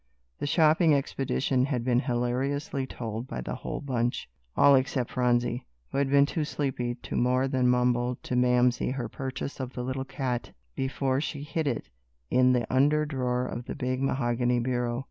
The shopping expedition had been hilariously told by the whole bunch, all except Phronsie, who had been too sleepy to more than mumble to Mamsie her purchase of the little cat, before she hid it in the under drawer of the big mahogany bureau.